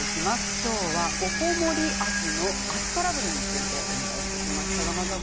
きょうは、おこもり足の足トラブルについてお伝えしてきました。